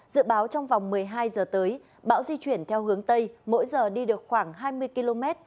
dự báo trong vòng một mươi hai giờ tới bão di chuyển theo hướng tây mỗi giờ đi được khoảng hai mươi km